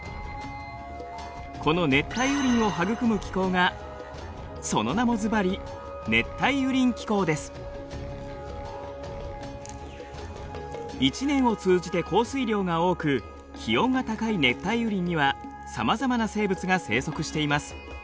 この熱帯雨林を育む気候がその名もずばり一年を通じて降水量が多く気温が高い熱帯雨林にはさまざまな生物が生息しています。